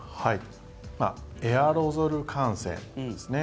エアロゾル感染ですね。